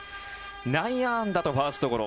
内野安打とファーストゴロ。